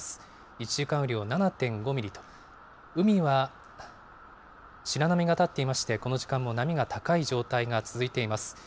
１時間雨量７．５ミリと、海は白波が立っていまして、この時間も波が高い状態が続いています。